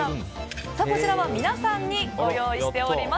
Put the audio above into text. こちらは皆さんにご用意しております。